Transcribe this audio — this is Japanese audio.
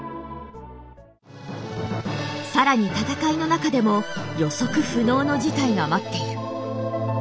更に戦いの中でも予測不能の事態が待っている。